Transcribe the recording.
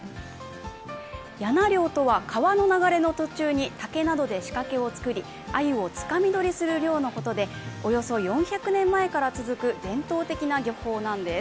やな漁とは川の流れの途中に竹などで仕掛けを作り、鮎をつかみ取りする漁のことでおよそ４００年前から続く伝統的な漁法なんです。